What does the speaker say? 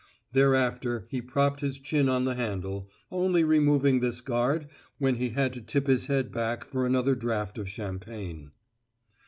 Thereafter he propped his chin on the handle, only removing this guard when he had to tip his head back for another draft of champagne.